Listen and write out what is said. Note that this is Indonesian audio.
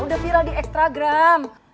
udah viral di ekstagram